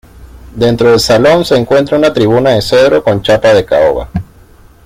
Dentro del salón se encuentra una tribuna de cedro con chapa de caoba.